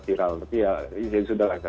viral tapi ya ya sudah lah